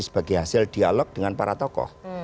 sebagai hasil dialog dengan para tokoh